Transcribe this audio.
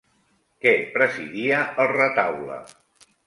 Què presidia el retaule?